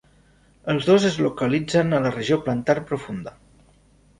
Els dos es localitzen a la regió plantar profunda.